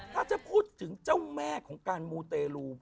ถ้าจะพูดถึงเจ้าแม่ของการมูเตรลู